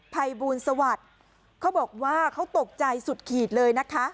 ภัยบูลสวัสดิ์เขาบอกว่าเขาตกใจสุดขีดเลยนะคะ